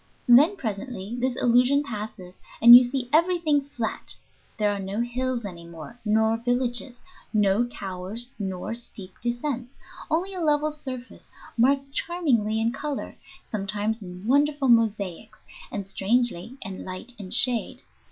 Then presently this illusion passes, and you see everything flat. There are no hills any more, nor villages; no towers nor steep descents, only a level surface, marked charmingly in color, sometimes in wonderful mosaics, and strangely in light and shade.